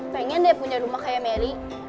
pengen deh punya rumah kayak mary